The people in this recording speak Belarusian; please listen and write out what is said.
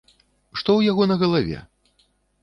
Што ў яго на галаве?